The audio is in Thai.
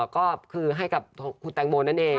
ก็คือให้กับคุณแตงโมนั่นเอง